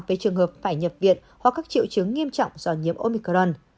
về trường hợp phải nhập viện hoặc các triệu chứng nghiêm trọng do nhiễm omicron